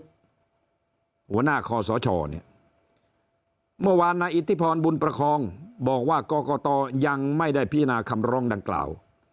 หัวหน้าคอสชเนี่ยเมื่อวานนายอิทธิพรบุญประคองบอกว่ากรกตยังไม่ได้พินาคำร้องดังกล่าว